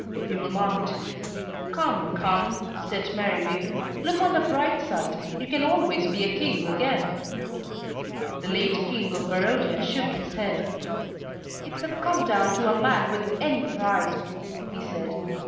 he remarked. "Come, come," said Merriwig, "look on the bright side; you can always be a King again." The late King of Barodia shook his head. "It's a come down to a man with any pride," he said.